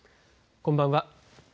こんばんは。